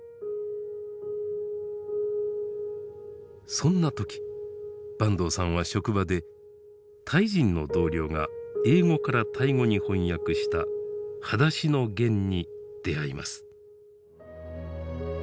そんな時坂東さんは職場でタイ人の同僚が英語からタイ語に翻訳した「はだしのゲン」に出会います。